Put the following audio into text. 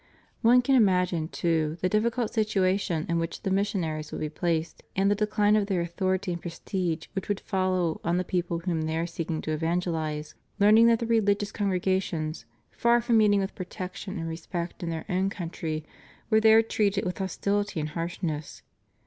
One can im agine, too, the difficult situation in which the mission aries would be placed, and the dechne of their authority and prestige which would follow on the people whom they are seeking to evangelize, learning that the religious congregations, far from meeting with protection and respect in their own country, were there treated with hostility and harshness.